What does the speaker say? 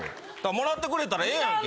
もらってくれたらええやんけ。